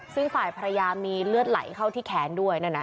ซึ่งฝ่ายภรรยามีเลือดไหลเข้าที่แขนด้วยนั่น